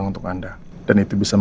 tentang rena dan ibu rosa